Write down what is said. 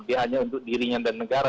dia hanya untuk dirinya dan negara